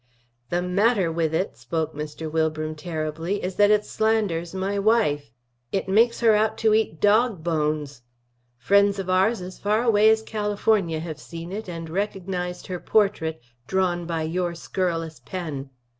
"The matter with it," spoke Mr. Wilbram terribly, "is that it slanders my wife. It makes her out to eat dog bones. Friends of ours as far away as California have seen it and recognized her portrait, drawn by your scurrilous pen.